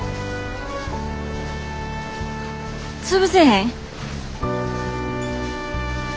潰せへん。